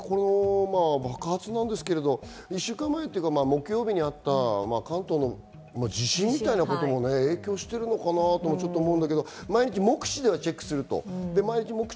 爆発なんですけど木曜日にあった関東の地震みたいなことも影響してるのかなとちょっと思うんだけれど、目視ではチェックすると、毎日。